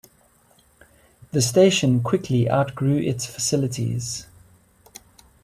The station quickly outgrew its facilities.